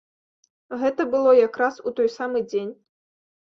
Гэта было якраз у той самы дзень.